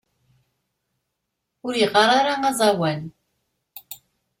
Ur yeɣɣar ara aẓawan.